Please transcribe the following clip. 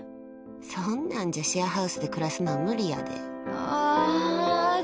そんなんじゃシェアハウスで暮らすのは無理やで。